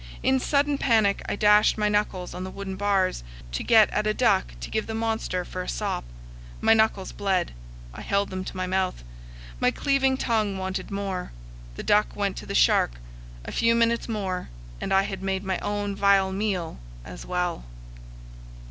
In sudden panic I dashed my knuckles on the wooden bars, to get at a duck to give the monster for a sop. My knuckles bled. I held them to my mouth. My cleaving tongue wanted more. The duck went to the shark; a few minutes more and I had made my own vile meal as well.